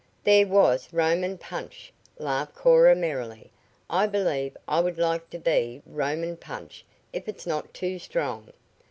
"There was Roman punch!" laughed Cora merrily. "I believe I would like to be Roman punch, if it's not too strong."